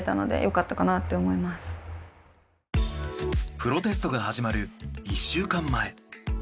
プロテストが始まる１週間前。